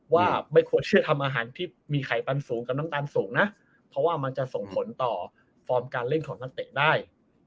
ว่าไม่ควรเชื่อทำอาหารที่มีไขปันสูงกับน้ำตาลสูงนะเพราะว่ามันจะส่งผลต่อฟอร์มการเล่นของนักเตะได้